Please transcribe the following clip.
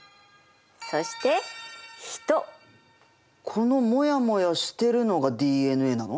このモヤモヤしてるのがＤＮＡなの？